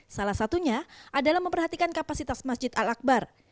salah satunya adalah memperhatikan kapasitas masjid al akbar